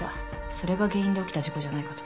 それが原因で起きた事故じゃないかと。